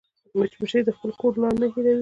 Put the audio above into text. مچمچۍ د خپل کور لار نه هېروي